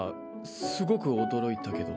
すごく驚いたけど。